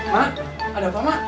ma ada apa ma